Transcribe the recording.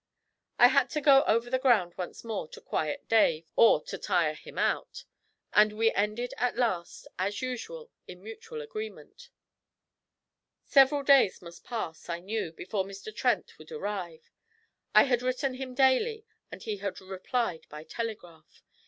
I had to go over the ground once more to quiet Dave, or to tire him out; and we ended at last, as usual, in mutual agreement. Several days must pass, I knew, before Mr. Trent would arrive. I had written him daily, and he had replied by telegraph.